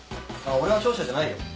俺は商社じゃないよ。